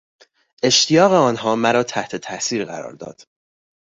اشتیاق آنها مرا تحت تاثیر قرار داد.